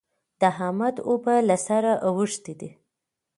د احمد اوبه له سره اوښتې دي.